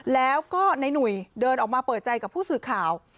แล้วก็ในหนุ่ยเดินออกมาเปิดใจกับผู้สื่อข่าว